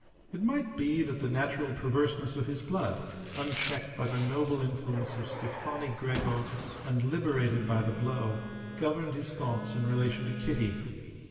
It might be that the natural perverseness of his blood, unchecked by the noble influence of Stefani Gregor and liberated by the blow, governed his thoughts in relation to Kitty.